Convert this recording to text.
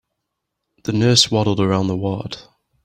The nurse waddled around the ward.